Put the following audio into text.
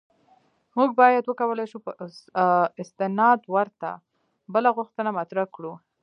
موږ باید وکولای شو په استناد ورته بله غوښتنه مطرح کړو.